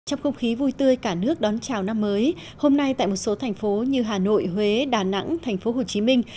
trong không khí vui tươi cả nước đón chào năm mới hôm nay tại một số thành phố như hà nội huế đà nẵng thành phố hồ chí minh